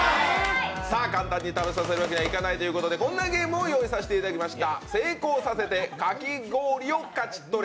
さあ、簡単に食べさせるわけにはいかないということでこんなゲームを用意させていただきました。